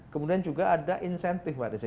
kemudian juga ada insentif pak nessy